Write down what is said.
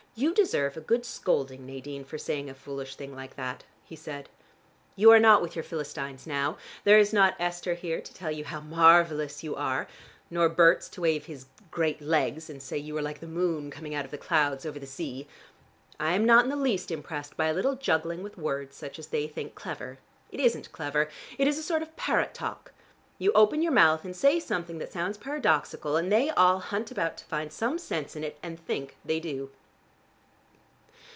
"You deserve a good scolding, Nadine, for saying a foolish thing like that," he said. "You are not with your Philistines now. There is not Esther here to tell you how marvelous you are, nor Berts to wave his great legs and say you are like the moon coming out of the clouds over the sea. I am not in the least impressed by a little juggling with words such as they think clever. It isn't clever: it is a sort of parrot talk. You open your mouth and say something that sounds paradoxical and they all hunt about to find some sense in it, and think they do."